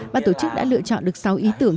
ban tổ chức đã lựa chọn được sáu ý tưởng